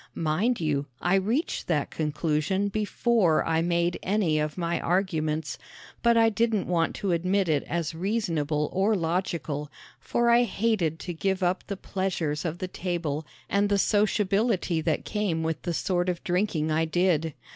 Mind you, I reached that conclusion before I made any of my arguments; but I didn't want to admit it as reasonable or logical, for I hated to give up the pleasures of the table and the sociability that came with the sort of drinking I did.